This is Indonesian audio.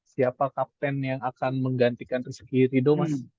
siapa kapten yang akan menggantikan rizki ridho